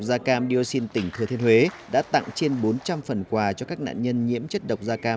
gia cam dioxin tỉnh thừa thiên huế đã tặng trên bốn trăm linh phần quà cho các nạn nhân nhiễm chất độc da cam